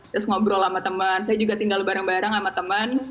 terus ngobrol sama temen saya juga tinggal bareng bareng sama teman